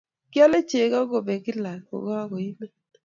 Kiole chego kobek kila ko koimen.